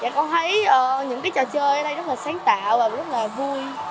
con thấy những trò chơi ở đây rất là sáng tạo và rất là vui